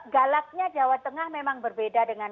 galaknya jawa tengah memang berbeda dengan